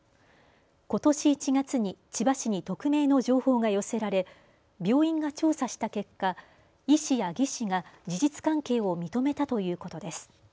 ことし１月に千葉市に匿名の情報が寄せられ病院が調査した結果、医師や技士が事実関係を認めたということです。